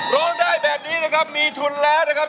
รองได้แบบนี้มีทุนนะครับ